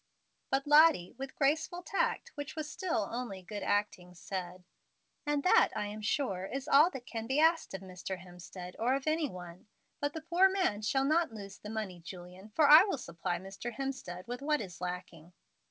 But Lottie, with graceful tact, which was still only good acting, said: "And that, I am sure, is all that can be asked of Mr. Hemstead or of any one. But the poor man shall not lose the money, Julian, for I will supply Mr. Hemstead with what is lacking."